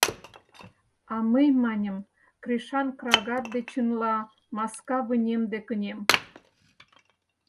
А мый, маньым, Кришан крагат дечынла маска вынем дек ынем.